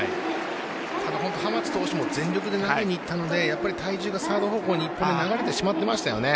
ただ、浜地投手も全力で投げにいったので体重がサード方向に流れてしまってましたよね。